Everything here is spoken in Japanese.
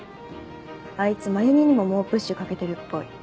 アイツ真弓にも猛プッシュかけてるっぽい！